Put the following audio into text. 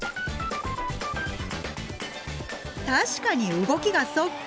確かに動きがそっくり！